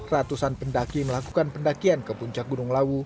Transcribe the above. ratusan pendaki melakukan pendakian ke puncak gunung lawu